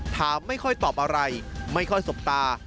ถามไม่ค่อยตอบอะไรไม่ค่อยสบตา